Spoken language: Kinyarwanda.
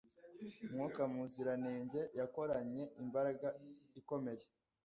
Mwuka Muziranenge yakoranye imbaraga ikomeye